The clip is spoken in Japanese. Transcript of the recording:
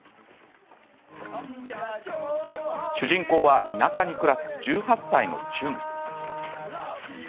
主人公は、田舎に暮らす１８歳のチュン。